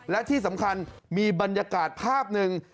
และที่สำคัญมีบรรยากาศภาพหนึ่ง